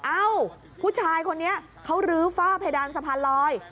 เอ้าผู้ชายคนนี้เขารื้อฝ้าเพดานสะพานลอย